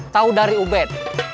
tahu dari ubed